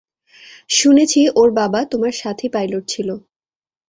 শুনেছি ওর বাবা তোমার সাথী পাইলট ছিল।